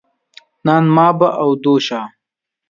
نان ما به او دو شا.